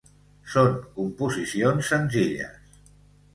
Són composicions senzilles.